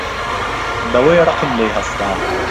بە وەی ڕقم لێی هەستا